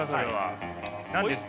何ですか？